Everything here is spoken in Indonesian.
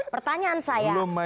pertanyaan saya apakah kemudian